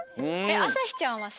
あさひちゃんはさ